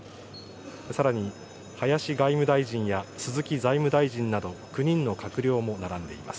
さらに林外務大臣や鈴木財務大臣など、９人の閣僚も並んでいます。